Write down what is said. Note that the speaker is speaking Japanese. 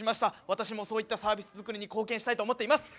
私もそういったサービスづくりに貢献したいと思っています！